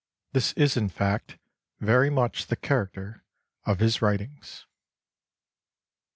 This is in fact very much the character of his writings."